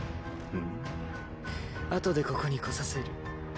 ふむあとでここに来させる。